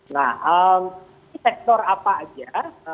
nah sektor apa aja